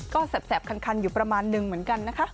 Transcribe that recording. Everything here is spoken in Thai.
ก็แสบคันอยู่ประมาณนึงเหมือนกันนะคะ